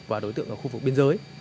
và đối tượng ở khu vực biên giới